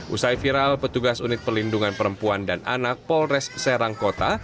usai viral petugas unit pelindungan perempuan dan anak polres serang kota